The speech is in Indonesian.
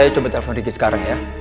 saya coba telepon riki sekarang ya